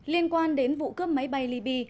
liên quan đến vụ cướp máy bay libby